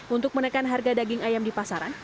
untuk menekan harga daging ayam di pasaran